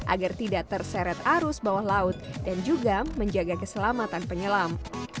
agar tidak terseret arus bawah laut dan juga menjaga keselamatan penyelam